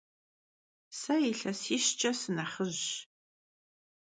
Se yilhesişç'e sınexhıjş.